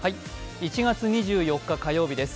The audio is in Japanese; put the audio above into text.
１月２４日火曜日です。